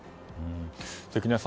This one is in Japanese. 関根さん